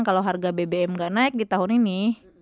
kalau harga bbm nggak naik di tahun ini